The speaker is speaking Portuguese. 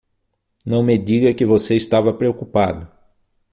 Não me diga que você estava preocupado!